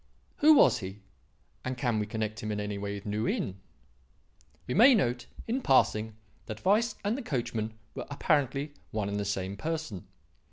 Who was he? and can we connect him in any way with New Inn? "We may note in passing that Weiss and the coachman were apparently one and the same person.